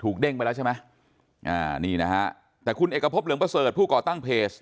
เด้งไปแล้วใช่ไหมอ่านี่นะฮะแต่คุณเอกพบเหลืองประเสริฐผู้ก่อตั้งเพจ